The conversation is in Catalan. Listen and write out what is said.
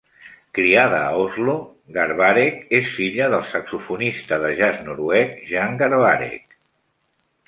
Criada a Oslo, Garbarek és filla del saxofonista de jazz noruec Jan Garbarek.